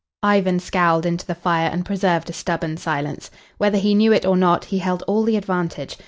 Ivan scowled into the fire and preserved a stubborn silence. Whether he knew it or not, he held all the advantage.